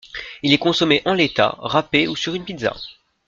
Il est consommé en l'état, râpé ou sur une pizza.